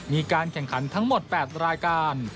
มีการแข่งขันทั้งหมด๘รายการ